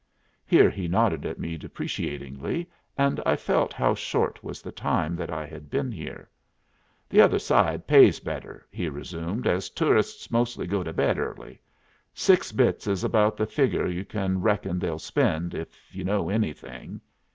Here he nodded at me depreciatingly, and I felt how short was the time that I had been here. "Th' other side pays better," he resumed, "as toorists mostly go to bed early. Six bits is about the figger you can reckon they'll spend, if you know anything."